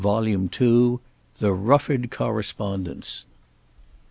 CHAPTER IV. THE RUFFORD CORRESPONDENCE.